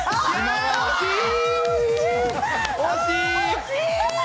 惜しい！